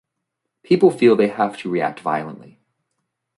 People feel they have to react violently.